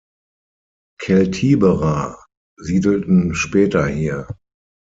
Keltiberer siedelten später hier.